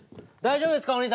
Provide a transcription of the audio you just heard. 大丈夫ですか？